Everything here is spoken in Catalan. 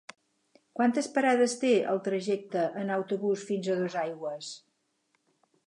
Quantes parades té el trajecte en autobús fins a Dosaigües?